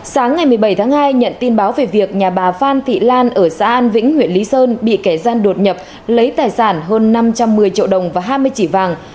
sáng ngày một mươi bảy tháng hai nhận tin báo về việc nhà bà phan thị lan ở xã an vĩnh huyện lý sơn bị kẻ gian đột nhập lấy tài sản hơn năm trăm một mươi triệu đồng và hai mươi chỉ vàng